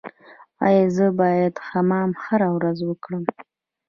ایا زه باید حمام هره ورځ وکړم؟